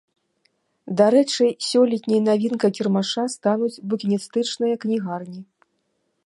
Дарэчы, сёлетняй навінкай кірмаша стануць букіністычныя кнігарні.